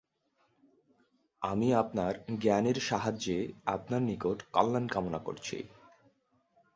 আমি আপনার জ্ঞানের সাহায্যে আপনার নিকট কল্যাণ কামনা করছি।